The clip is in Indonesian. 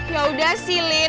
yaudah sih lin